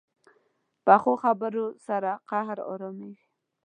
پخو خبرو سره قهر ارامېږي